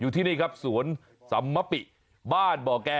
อยู่ที่นี้ครับสวนสำมปิบ้านบ่าแก่